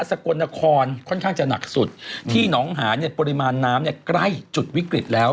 กลนครค่อนข้างจะหนักสุดที่หนองหาเนี่ยปริมาณน้ำเนี่ยใกล้จุดวิกฤตแล้ว